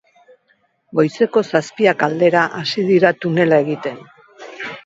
Goizeko zazpiak aldera hasi dira tunela egiten.